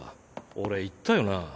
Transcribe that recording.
俺言ったよな。